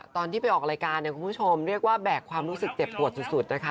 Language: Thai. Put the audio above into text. ตอนที่ไปออกรายการเนี่ยคุณผู้ชมเรียกว่าแบกความรู้สึกเจ็บปวดสุดนะคะ